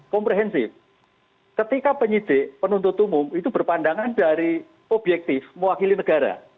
komprehensif ketika penyidik penuntut umum itu berpandangan dari objektif mewakili negara